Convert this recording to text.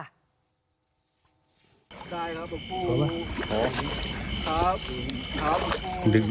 ได้ครับผมครับ